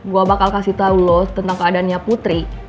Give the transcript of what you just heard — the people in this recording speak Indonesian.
gue bakal kasih tau loh tentang keadaannya putri